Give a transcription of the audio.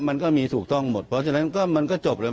มันก็มีถูกต้องหมดเพราะฉะนั้นก็มันก็จบเลย